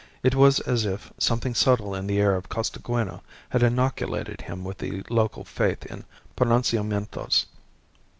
It was as if something subtle in the air of Costaguana had inoculated him with the local faith in "pronunciamientos."